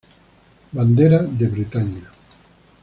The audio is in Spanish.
Bandera de Bretaña